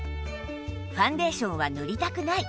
ファンデーションは塗りたくない！